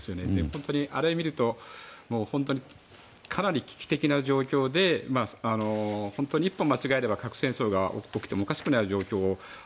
本当にあれ見るとかなり危機的な状況で本当に一歩間違えれば核戦争が起きてもおかしくない状況で。